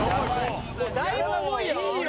だいぶ重いよ。